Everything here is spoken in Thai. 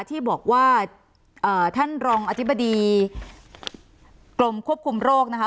ที่บอกว่าท่านรองอธิบดีกรมควบคุมโรคนะคะ